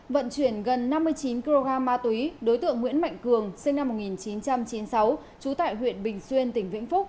vận chuyển gần năm mươi chín kg ma túy đối tượng nguyễn mạnh cường sinh năm một nghìn chín trăm chín mươi sáu trú tại huyện bình xuyên tỉnh vĩnh phúc